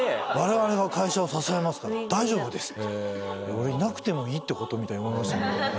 俺いなくてもいいって事？みたいに思いましたけどね。